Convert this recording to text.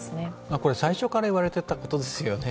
これ、最初から言われていたことですよね。